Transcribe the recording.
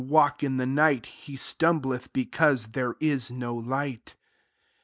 walk in the night, he stumbleth; because there is no light.'